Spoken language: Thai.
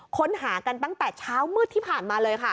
ค้นหากันตั้งแต่เช้ามืดที่ผ่านมาเลยค่ะ